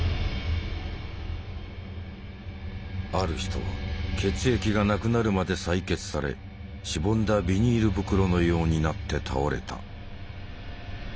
ある人は血液がなくなるまで採血されしぼんだビニール袋のようになって倒れた。